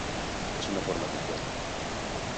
Es una forma compuesta.